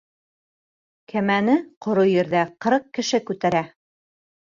Кәмәне ҡоро ерҙә ҡырҡ кеше күтәрә.